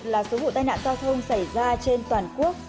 một trăm linh một là số vụ tai nạn giao thông xảy ra trên toàn quốc gia